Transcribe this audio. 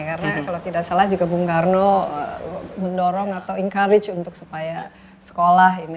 karena kalau tidak salah juga bung karno mendorong atau encourage untuk supaya sekolah ini